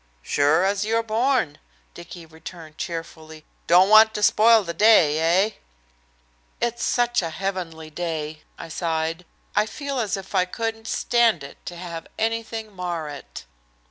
"Sure as you're born," Dicky returned cheerfully. "Don't want to spoil the day, eh?" "It's such a heavenly day," I sighed. "I feel as if I couldn't stand it to have anything mar it."